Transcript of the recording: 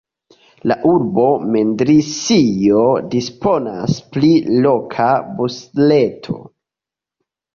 La urbo Mendrisio disponas pri loka busreto.